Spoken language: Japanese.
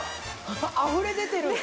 あふれ出てる！